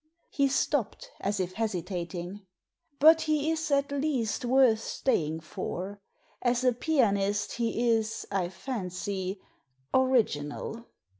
He stopped, as if hesitating. "But he is at least worth staying for. As a pianist he is, I fancy, original."